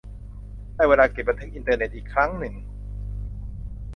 ได้เวลาเก็บบันทึกอินเทอร์เน็ตอีกครั้งนึง